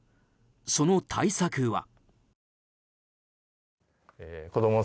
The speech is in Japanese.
その対策は。